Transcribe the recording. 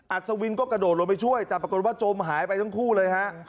อัศวินก็กระโดดลงไปช่วยแต่ปรากฏว่าจมหายไปทั้งคู่เลยฮะ